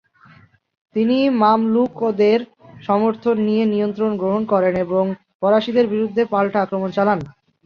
তিনি মামলুকদের সমর্থন নিয়ে নিয়ন্ত্রণ গ্রহণ করেন এবং ফরাসিদের বিরুদ্ধে পাল্টা আক্রমণ চালান।